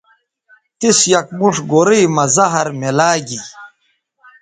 تِس یک موݜ گورئ مہ زہر میلاگی